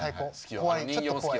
怖いちょっと怖い。